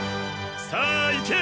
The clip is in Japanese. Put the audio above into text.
さあいけ！